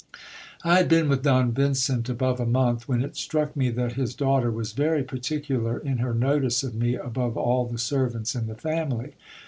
I had been with Don Vincent above a month, when it struck me that his daughter was very particular in her notice of me above all the servants in the family.